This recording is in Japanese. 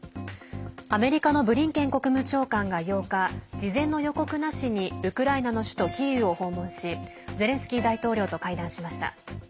アメリカのブリンケン国務長官が８日、事前の予告なしにウクライナの首都キーウを訪問しゼレンスキー大統領と会談しました。